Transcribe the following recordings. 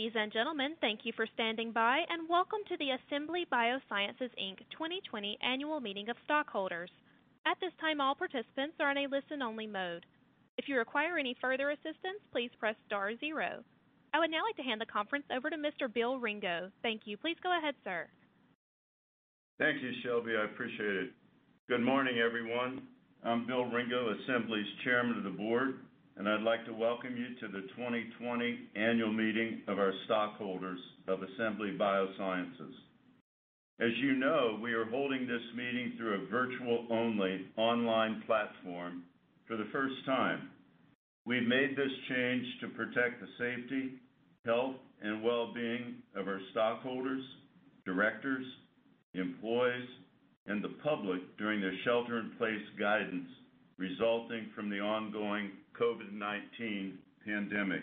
Ladies and gentlemen, thank you for standing by, and welcome to the Assembly Biosciences, Inc. 2020 Annual Meeting of Stockholders. At this time, all participants are in a listen-only mode. If you require any further assistance, please press star zero. I would now like to hand the conference over to Mr. Bill Ringo. Thank you. Please go ahead, sir. Thank you, Shelby. I appreciate it. Good morning, everyone. I'm Bill Ringo, Assembly's Chairman of the Board, and I'd like to welcome you to the 2020 Annual Meeting of our Stockholders of Assembly Biosciences. As you know, we are holding this meeting through a virtual-only online platform for the first time. We made this change to protect the safety, health, and wellbeing of our stockholders, directors, employees, and the public during the shelter-in-place guidance resulting from the ongoing COVID-19 pandemic.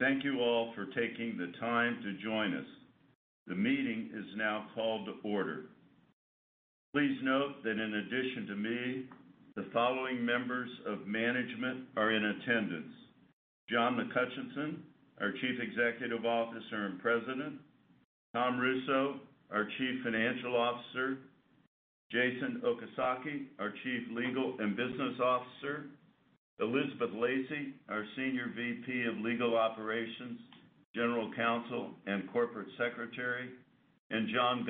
Thank you all for taking the time to join us. The meeting is now called to order. Please note that in addition to me, the following members of management are in attendance: John McHutchison, our Chief Executive Officer and President, Tom Russo, our Chief Financial Officer, Jason Okazaki, our Chief Legal and Business Officer, Elizabeth Lacy, our Senior VP of Legal Operations, General Counsel, and Corporate Secretary, and John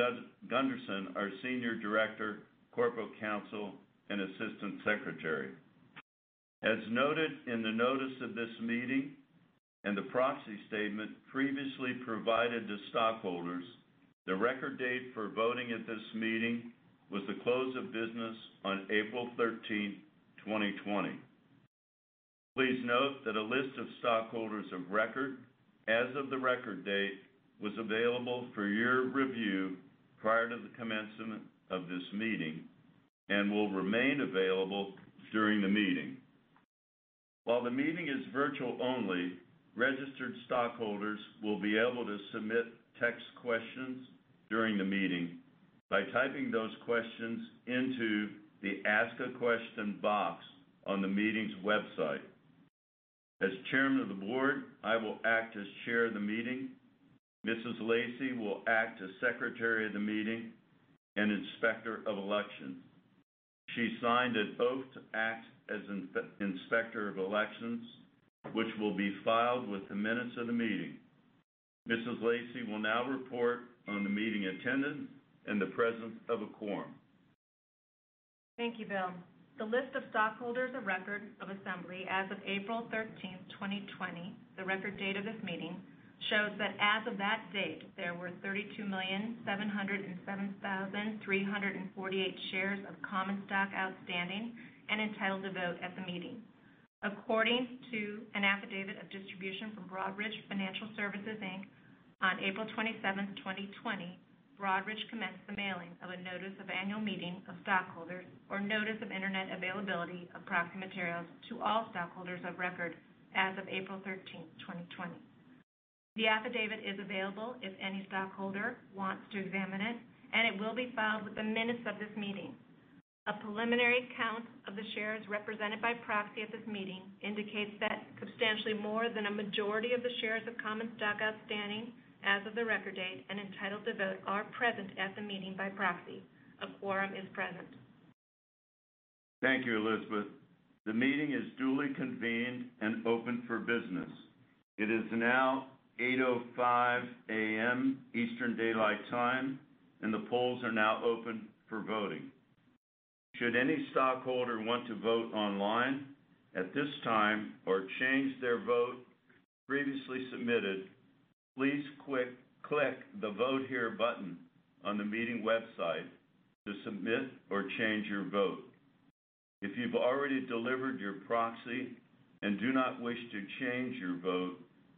Gunderson, our Senior Director, Corporate Counsel, and Assistant Secretary. As noted in the notice of this meeting and the proxy statement previously provided to stockholders, the record date for voting at this meeting was the close of business on April 13th, 2020. Please note that a list of stockholders of record as of the record date was available for your review prior to the commencement of this meeting and will remain available during the meeting. While the meeting is virtual only, registered stockholders will be able to submit text questions during the meeting by typing those questions into the Ask a Question box on the meeting's website. As Chairman of the Board, I will act as Chair of the meeting. Mrs. Lacy will act as Secretary of the meeting and Inspector of Elections. She signed an oath to act as Inspector of Elections, which will be filed with the minutes of the meeting. Mrs. Lacy will now report on the meeting attendance and the presence of a quorum. Thank you, Bill. The list of stockholders of record of Assembly as of April 13th, 2020, the record date of this meeting, shows that as of that date, there were 32,707,348 shares of common stock outstanding and entitled to vote at the meeting. According to an affidavit of distribution from Broadridge Financial Solutions, Inc., on April 27th, 2020, Broadridge commenced the mailing of a Notice of Annual Meeting of Stockholders or Notice of Internet Availability of Proxy Materials to all stockholders of record as of April 13th, 2020. The affidavit is available if any stockholder wants to examine it, and it will be filed with the minutes of this meeting. A preliminary count of the shares represented by proxy at this meeting indicates that substantially more than a majority of the shares of common stock outstanding as of the record date and entitled to vote are present at the meeting by proxy. A quorum is present. Thank you, Elizabeth. The meeting is duly convened and open for business. It is now 8:05 A.M. Eastern Daylight Time, and the polls are now open for voting. Should any stockholder want to vote online at this time or change their vote previously submitted, please click the Vote Here button on the meeting website to submit or change your vote. If you've already delivered your proxy and do not wish to change your vote,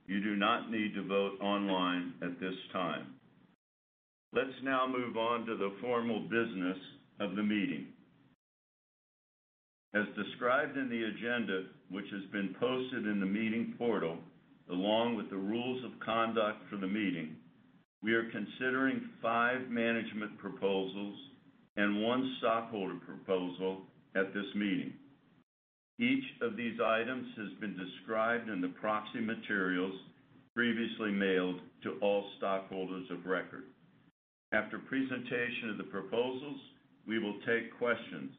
you do not need to vote online at this time. Let's now move on to the formal business of the meeting. As described in the agenda, which has been posted in the meeting portal along with the rules of conduct for the meeting, we are considering five management proposals and one stockholder proposal at this meeting. Each of these items has been described in the proxy materials previously mailed to all stockholders of record. After presentation of the proposals, we will take questions.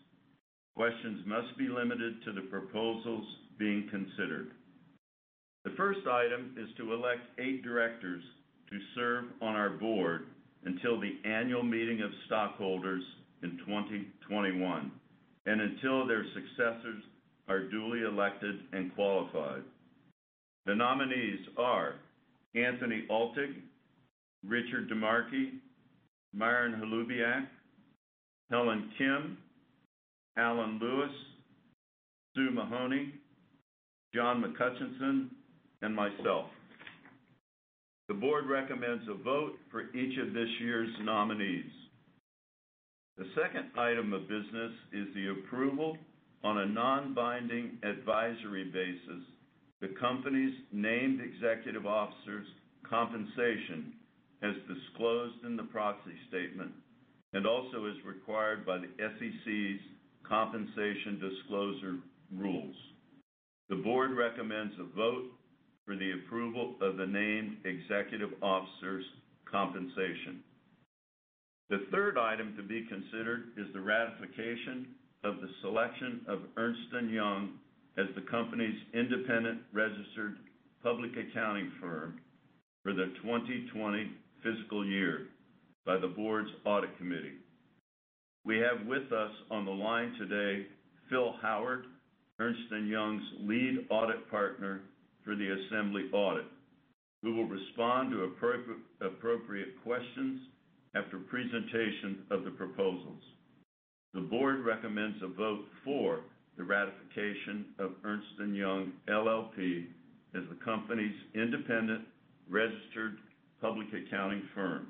Questions must be limited to the proposals being considered. The first item is to elect eight directors to serve on our board until the Annual Meeting of Stockholders in 2021 and until their successors are duly elected and qualified. The nominees are Anthony Altig, Richard DiMarchi, Myron Holubiak, Helen Kim, Alan Lewis, Sue Mahony, John McHutchison, and myself. The board recommends a vote for each of this year's nominees. The second item of business is the approval on a non-binding advisory basis the company's named executive officers' compensation as disclosed in the proxy statement and also as required by the SEC's compensation disclosure rules. The board recommends a vote for the approval of the named executive officers' compensation. The third item to be considered is the ratification of the selection of Ernst & Young as the company's independent registered public accounting firm for the 2020 fiscal year by the board's audit committee. We have with us on the line today Phil Howard, Ernst & Young's lead audit partner for the Assembly audit, who will respond to appropriate questions after presentation of the proposals. The board recommends a vote for the ratification of Ernst & Young LLP as the company's independent registered public accounting firm.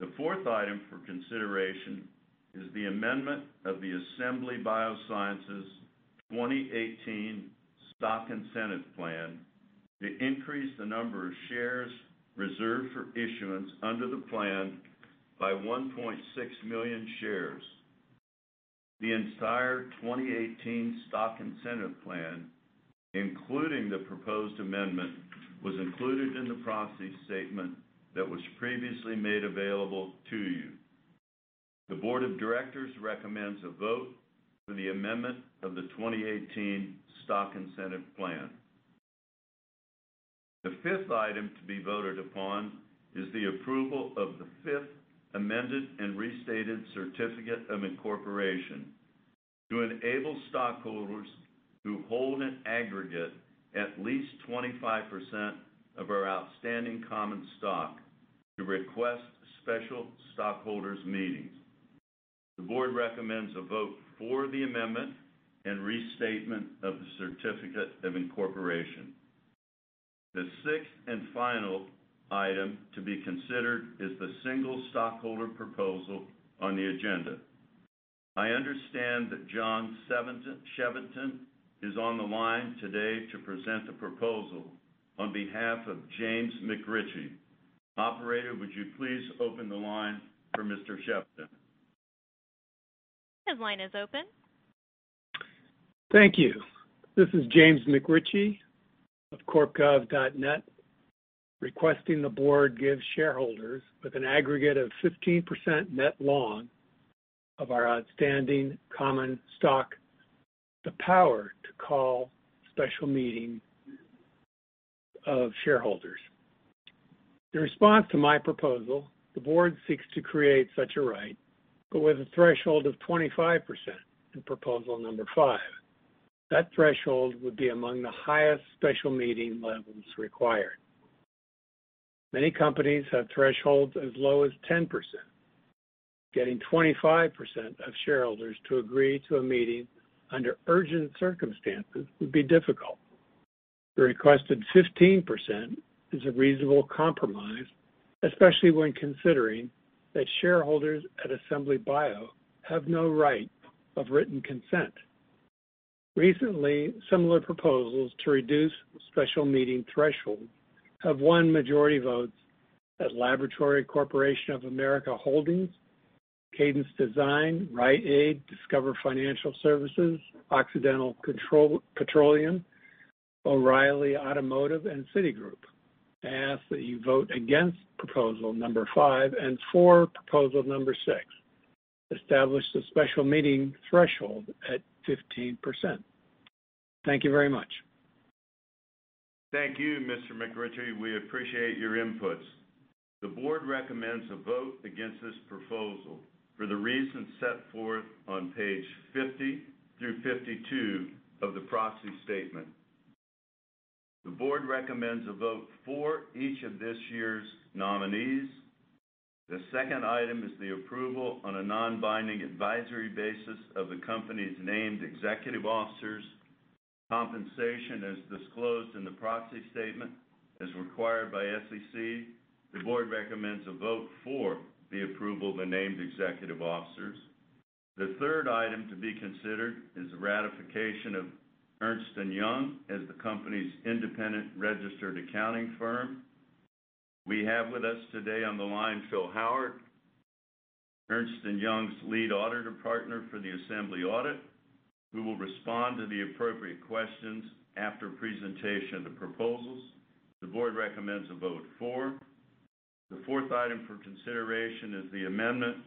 The fourth item for consideration is the amendment of the Assembly Biosciences 2018 Stock Incentive Plan to increase the number of shares reserved for issuance under the plan by 1.6 million shares. The entire 2018 Stock Incentive Plan, including the proposed amendment, was included in the proxy statement that was previously made available to you. The board of directors recommends a vote for the amendment of the 2018 Stock Incentive Plan. The fifth item to be voted upon is the approval of the fifth amended and restated certificate of incorporation to enable stockholders who hold an aggregate at least 25% of our outstanding common stock to request special stockholders meetings. The board recommends a vote for the amendment and restatement of the certificate of incorporation. The sixth and final item to be considered is the single stockholder proposal on the agenda. I understand that John Chevedden is on the line today to present a proposal on behalf of James McRitchie. Operator, would you please open the line for Mr. Chevedden? His line is open. Thank you. This is James McRitchie of Corpgov.net, requesting the board give shareholders with an aggregate of 15% net long of our outstanding common stock the power to call special meetings of shareholders. In response to my proposal, the board seeks to create such a right, but with a threshold of 25% in proposal number five. That threshold would be among the highest special meeting levels required. Many companies have thresholds as low as 10%. Getting 25% of shareholders to agree to a meeting under urgent circumstances would be difficult. The requested 15% is a reasonable compromise, especially when considering that shareholders at Assembly Bio have no right of written consent. Recently, similar proposals to reduce special meeting thresholds have won majority votes at Laboratory Corporation of America Holdings, Cadence Design, Rite Aid, Discover Financial Services, Occidental Petroleum, O'Reilly Automotive, and Citigroup. I ask that you vote against proposal number five and for proposal number six. Establish the special meeting threshold at 15%. Thank you very much. Thank you, Mr. McRitchie. We appreciate your inputs. The board recommends a vote against this proposal for the reasons set forth on page 50 through 52 of the proxy statement. The board recommends a vote for each of this year's nominees. The second item is the approval on a non-binding advisory basis of the company's named executive officers' compensation as disclosed in the proxy statement as required by SEC. The board recommends a vote for the approval of the named executive officers. The third item to be considered is the ratification of Ernst & Young as the company's independent registered accounting firm. We have with us today on the line Phil Howard, Ernst & Young's lead auditor partner for the Assembly audit, who will respond to the appropriate questions after presentation of the proposals. The board recommends a vote for. The fourth item for consideration is the amendment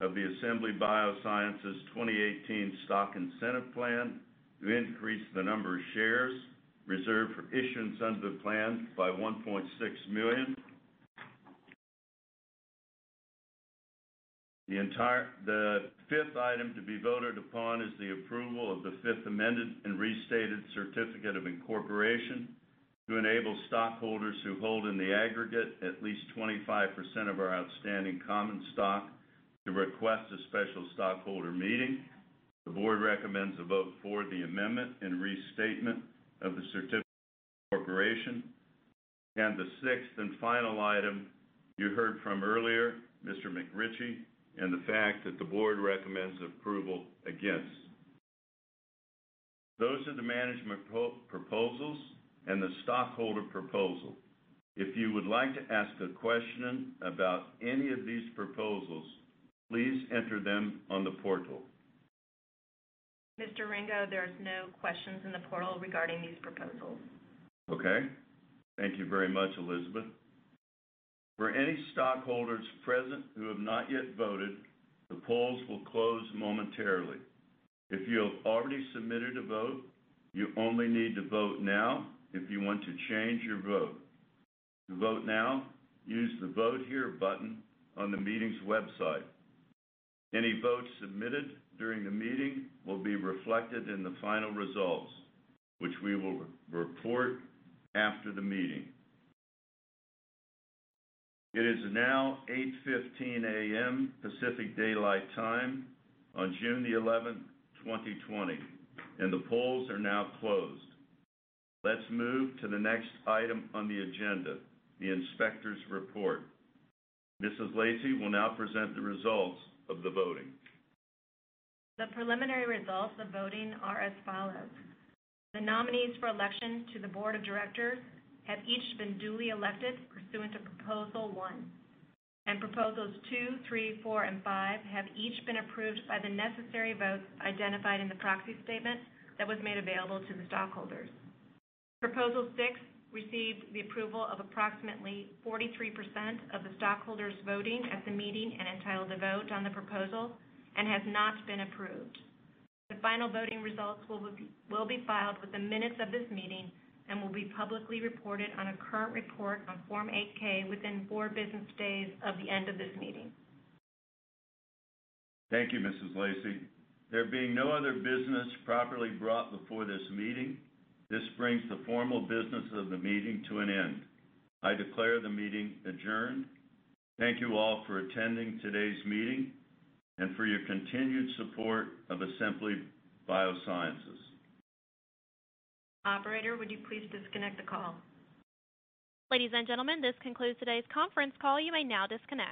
of the Assembly Biosciences 2018 Stock Incentive Plan to increase the number of shares reserved for issuance under the plan by 1.6 million. The fifth item to be voted upon is the approval of the fifth amended and restated certificate of incorporation to enable stockholders who hold in the aggregate at least 25% of our outstanding common stock to request a special stockholder meeting. The board recommends a vote for the amendment and restatement of the certificate of incorporation. The sixth and final item, you heard from earlier, Mr. McRitchie. The board recommends approval against. Those are the management proposals and the stockholder proposal. If you would like to ask a question about any of these proposals, please enter them on the portal. Mr. Ringo, there's no questions in the portal regarding these proposals. Okay. Thank you very much, Elizabeth. For any stockholders present who have not yet voted, the polls will close momentarily. If you have already submitted a vote, you only need to vote now if you want to change your vote. To vote now, use the Vote Here button on the meetings website. Any votes submitted during the meeting will be reflected in the final results, which we will report after the meeting. It is now 8:15 A.M. Pacific Daylight Time on June the 11th, 2020, and the polls are now closed. Let's move to the next item on the agenda, the inspector's report. Mrs. Lacy will now present the results of the voting. The preliminary results of voting are as follows. The nominees for election to the board of directors have each been duly elected pursuant to proposal one. Proposals two, three, four, and five have each been approved by the necessary votes identified in the proxy statement that was made available to the stockholders. Proposal six received the approval of approximately 43% of the stockholders voting at the meeting and entitled to vote on the proposal and has not been approved. The final voting results will be filed with the minutes of this meeting and will be publicly reported on a current report on Form 8-K within four business days of the end of this meeting. Thank you, Mrs. Lacy. There being no other business properly brought before this meeting, this brings the formal business of the meeting to an end. I declare the meeting adjourned. Thank you all for attending today's meeting and for your continued support of Assembly Biosciences. Operator, would you please disconnect the call? Ladies and gentlemen, this concludes today's conference call. You may now disconnect.